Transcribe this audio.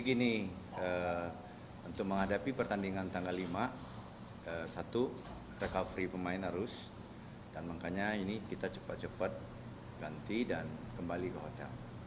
gini untuk menghadapi pertandingan tanggal lima satu recovery pemain harus dan makanya ini kita cepat cepat ganti dan kembali ke hotel